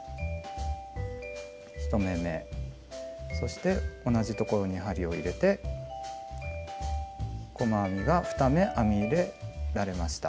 １目めそして同じところに針を入れて細編みが２目編み入れられました。